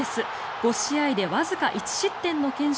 ５試合でわずか１失点の堅守